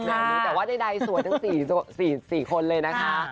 แต่ว่าใดสวยทั้งสี่คนเลยนะคะ